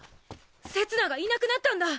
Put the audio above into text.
せつながいなくなったんだ！